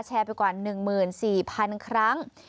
แชร์ไปกว่า๑หมื่น๔พันครั้ง